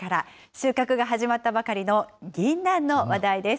収穫が始まったばかりのぎんなんの話題です。